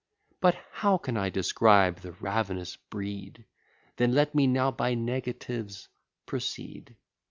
But how can I describe the ravenous breed? Then let me now by negatives proceed.